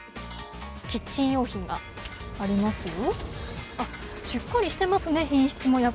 キッチン用品がありますよ。